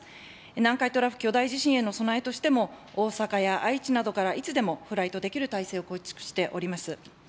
南海トラフ巨大地震への備えとしても、大阪や愛知などからいつでもフライトできる態勢を構築しております。